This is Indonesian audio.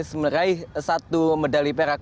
semeraih satu medali perak